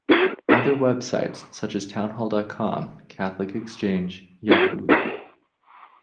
Other web sites such as Townhall dot com, Catholic Exchange, Yahoo!